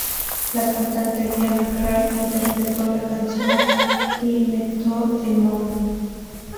La cantante Diana Krall interpretó la canción "Fly Me to the Moon".